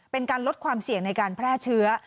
เป็นการลดความเสี่ยงในการแพร่เชื้อ